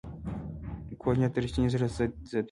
کوږ نیت د رښتیني زړه ضد وي